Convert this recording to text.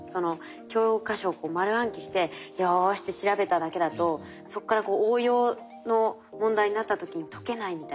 教科書丸暗記して「よし」って調べただけだとそこから応用の問題になった時に解けないみたいな。